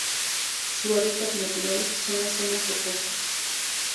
Su hábitat natural son las zonas rocosas.